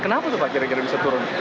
kenapa tuh pak kira kira bisa turun